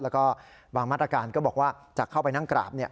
แล้วก็บางมาตรการก็บอกว่าจะเข้าไปนั่งกราบ